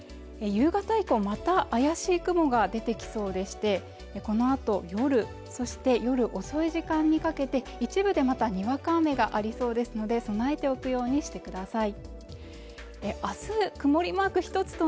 夕方以降また怪しい雲が出てきそうでしてこのあと夜そして夜遅い時間にかけて一部でまたにわか雨がありそうですので備えておくようにしてください